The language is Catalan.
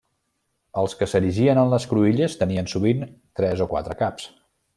Els que s'erigien en les cruïlles tenien sovint tres o quatre caps.